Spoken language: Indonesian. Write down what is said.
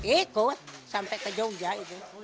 ikut sampai ke jogja itu